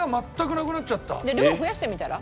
じゃあ量を増やしてみたら？